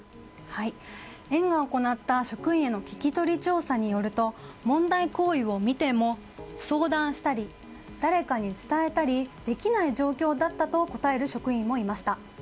園が行った職員への聞き取り調査によると問題行為を見ても相談したり誰かに伝えたりできない状況だったと答える職員もいました。